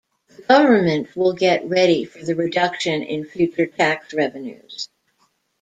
The government will get ready for the reduction in future tax revenues.